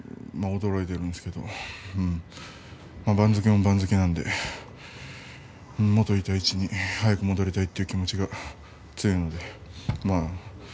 驚いているんですけども番付も番付なんでもといた位置に早く戻りたいという気持ちが強いので。